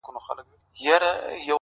• څه دي راوکړل د قرآن او د ګیتا لوري_